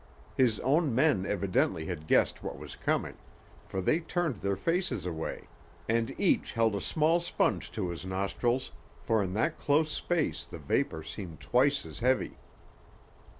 His own men evidently had guessed what was coming, for they turned their faces away, and each held a small sponge to his nostrils, for in that close space the vapor seemed twice as heavy.